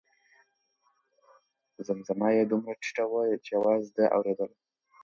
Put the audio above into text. زمزمه یې دومره ټیټه وه چې یوازې ده اورېدله.